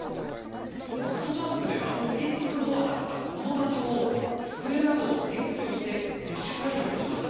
ソフトバンクではオフィスフロアだったこの場所を机などを撤去して接種会場にしました。